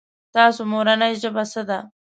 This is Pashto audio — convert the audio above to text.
تاسو مورنۍ ژبه څه ده ؟